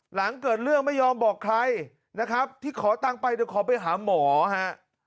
หลังเกิดเรื่องไม่ยอมบอกใครนะครับที่ขอตังค์ไปเดี๋ยวขอไปหาหมอฮะ